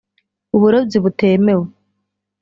uburobyi butemewe